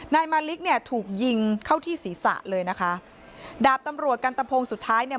นายมาริกเนี่ยถูกยิงเข้าที่ศีรษะเลยนะคะดาบตำรวจกันตะพงสุดท้ายเนี่ย